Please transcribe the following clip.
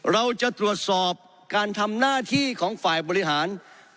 เราจะตรวจสอบการทำหน้าที่ของฝ่ายบริหาร